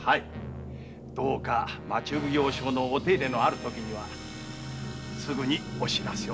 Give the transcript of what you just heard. どうか町奉行所のお手入れのあるときにはすぐお報せを。